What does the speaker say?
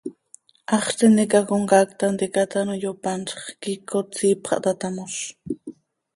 Haxz tintica comcaac tanticat ano yopanzx, quiicot siip xah taa tamoz.